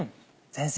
先生